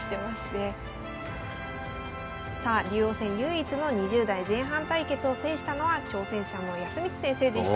さあ竜王戦唯一の２０代前半対決を制したのは挑戦者の康光先生でした。